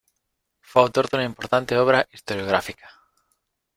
Fue autor de una importante obra historiográfica.